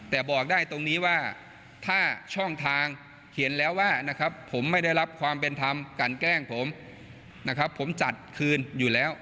แต่บอกได้ตรงนี้ว่าถ้าช่องทางเขียนแล้วว่านะครับผมไม่ได้รับความเป็นธรรมกันแกล้งผมนะครับผมจัดคืนอยู่แล้ว